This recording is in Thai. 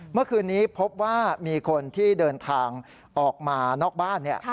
เมื่อคืนนี้พบว่ามีคนที่เดินทางออกมานอกบ้าน